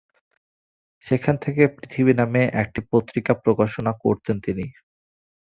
সেখান থেকে পৃথিবী নামে একটি পত্রিকা প্রকাশনা করতেন তিনি।